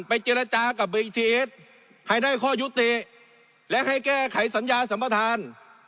ไปเจรจากับบริกธีเอสให้ได้ข้อยุติและให้แก้ไขศรรยาสรรพทาน